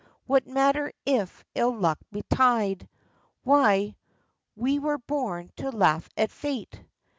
What matter if ill luck betide ?— Why, we were born to laugh at fate